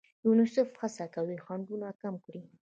یونیسف هڅه کوي خنډونه کم کړي.